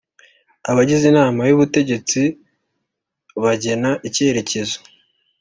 Abagize inama y ubutegetsi bagena icyerekezo